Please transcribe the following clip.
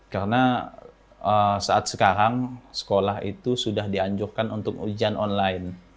karena saat sekarang sekolah itu sudah dianjurkan untuk ujian online